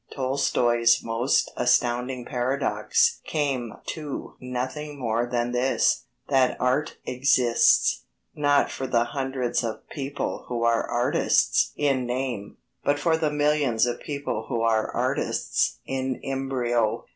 Tolstoy's most astounding paradox came to nothing more than this that art exists, not for the hundreds of people who are artists in name, but for the millions of people who are artists in embryo.